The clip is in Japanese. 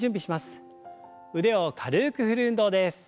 腕を軽く振る運動です。